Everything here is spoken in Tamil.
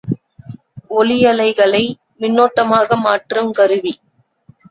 ஒலியலைகளை மின்னோட்டமாக மாற்றுங் கருவி.